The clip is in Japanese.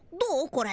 これ。